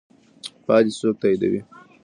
پایلې څوک تاییدوي؟